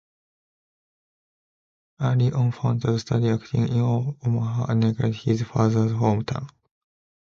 Early on, Fonda studied acting in Omaha, Nebraska, his father's home town.